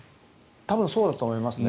多分そうだと思いますね。